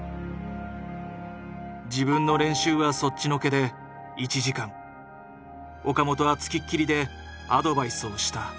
自分の練習はそっちのけで１時間岡本は付きっきりでアドバイスをした。